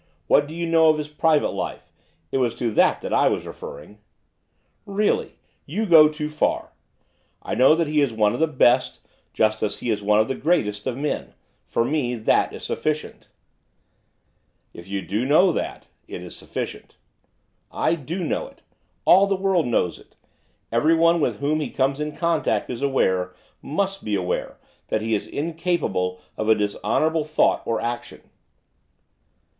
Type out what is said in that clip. What do you know of his private life, it was to that that I was referring.' 'Really, you go too far. I know that he is one of the best, just as he is one of the greatest, of men; for me, that is sufficient.' 'If you do know that, it is sufficient.' 'I do know it, all the world knows it. Everyone with whom he comes in contact is aware must be aware, that he is incapable of a dishonourable thought or action.